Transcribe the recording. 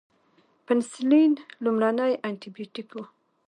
پنسلین لومړنی انټي بیوټیک و